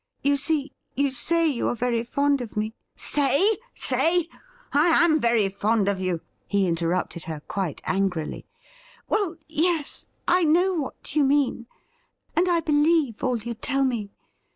You see, you say you are very fond of me '' Say ! say ! I am very fond of you,' he interrupted her quite angrily. ' Well, yes ; I know what you mean, and I believe all you tell me.